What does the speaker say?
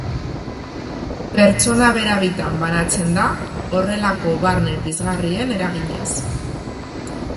Pertsona bera bitan banatzen da horrelako barne pizgarrien eraginez.